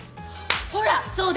ほらそうでしょ。